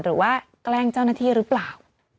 แกล้งเจ้าหน้าที่หรือเปล่า